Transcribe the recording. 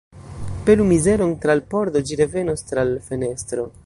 Pelu mizeron tra l' pordo, ĝi revenos tra l' fenestro.